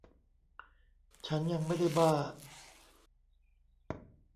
ฉันยังไม่ได้บ้า